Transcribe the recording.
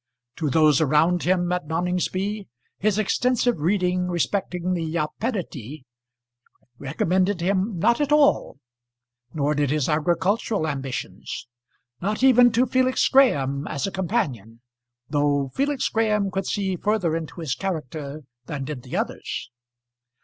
To those around him at Noningsby his extensive reading respecting the Iapetidæ recommended him not at all, nor did his agricultural ambitions; not even to Felix Graham, as a companion, though Felix Graham could see further into his character than did the others.